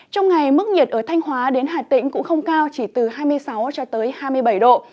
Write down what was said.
trong ngày mức nhiệt ở thanh hóa đến hà tĩnh cũng không cao chỉ từ hai mươi sáu cho tới hai mươi bảy độ